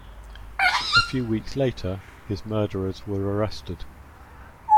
A few weeks later, his murderers were arrested.